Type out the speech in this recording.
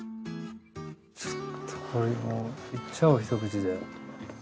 ちょっとこれもういっちゃおう一口で。